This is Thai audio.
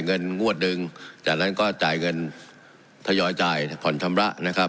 เงินงวดหนึ่งจากนั้นก็จ่ายเงินทยอยจ่ายผ่อนชำระนะครับ